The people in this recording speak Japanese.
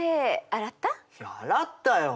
洗ったよ？